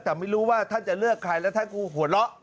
แต่ไม่รู้ว่าท่านจะเลือกใครแล้วท่านก็หัวเราะ